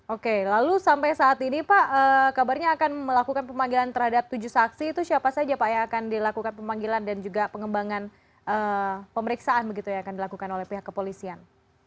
oke lalu sampai saat ini pak kabarnya akan melakukan pemanggilan terhadap tujuh saksi itu siapa saja pak yang akan dilakukan pemanggilan dan juga pengembangan pemeriksaan begitu ya akan dilakukan oleh pihak kepolisian